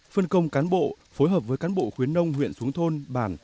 phân công cán bộ phối hợp với cán bộ khuyến nông huyện xuống thôn bản